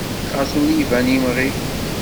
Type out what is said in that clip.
Xas ur i yi-ban imɣi.